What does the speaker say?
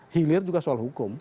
hilir juga soal hukum